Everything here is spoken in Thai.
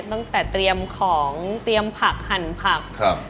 ตั้งแต่เตรียมของเตรียมผักหั่นผักครับ